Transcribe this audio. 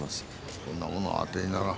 そんなものは当てにならん。